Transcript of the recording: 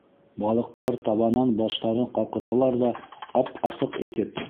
Балыҡтар табанан баштарын ҡалҡыталар ҙа ап-асыҡ итеп: